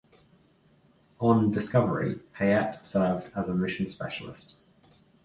On "Discovery", Payette served as a mission specialist.